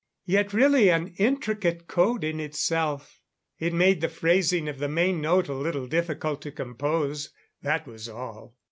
Yet really an intricate code in itself. It made the phrasing of the main note a little difficult to compose, that was all."